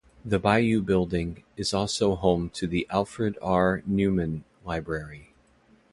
The Bayou Building is also home to the Alfred R. Neumann Library.